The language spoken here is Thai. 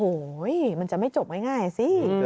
โอ้โหมันจะไม่จบง่ายสิ